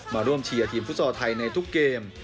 มาร่วมเชียร์ทีมฟุตซอลไทยในทุกเกม